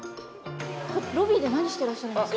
ロビーで何してらっしゃるんですか？